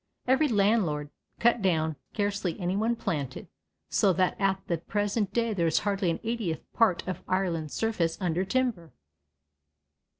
Every landlord cut down, scarcely anyone planted, so that at the present day there is hardly an eightieth part of Ireland's surface under timber.